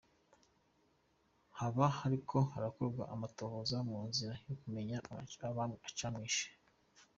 Hoba hariko harakogwa amatohoza mu nzira yo kumenya icamwishe.